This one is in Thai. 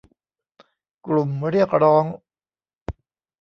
กลุ่มเรียกร้อง